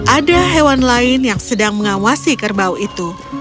ada hewan lain yang sedang mengawasi kerbau itu